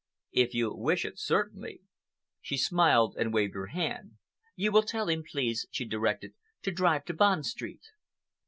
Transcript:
"If you wish it, certainly." She smiled and waved her hand. "You will tell him, please," she directed, "to drive to Bond Street."